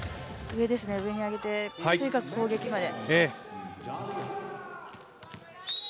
上に上げて、とにかく攻撃まで。